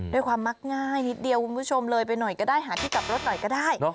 ความมักง่ายนิดเดียวคุณผู้ชมเลยไปหน่อยก็ได้หาที่กลับรถหน่อยก็ได้